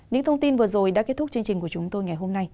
những thông tin vừa rồi đã kết thúc chương trình của chúng tôi ngày hôm nay